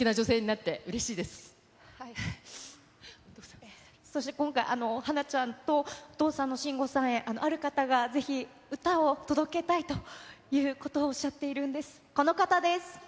すごいすてきな女性になってうれそして今回、はなちゃんとお父さんの信吾さんへ、ある方がぜひ、歌を届けたいということをおっしゃっているんです。